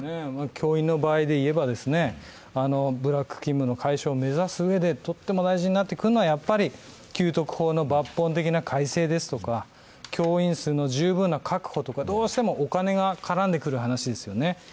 教員の場合でいえば、ブラック勤務の解消を目指すうえでとっても大事になってくるのはやっぱり給特法の抜本的な改正ですとか教員数の十分な確保とかどうしてもお金が絡んでくる話ですよね。